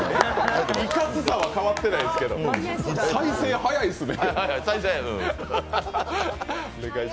いかつさは変わってないですけど、再生早いですね。